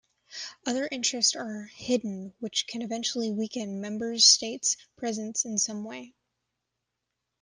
Other interests are hidden which can eventually weaken Member States' presence in some way.